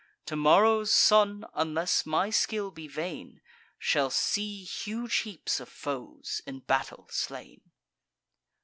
Tomorrow's sun, unless my skill be vain, Shall see huge heaps of foes in battle slain."